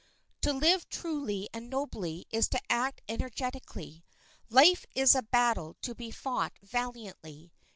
To live truly and nobly is to act energetically. Life is a battle to be fought valiantly.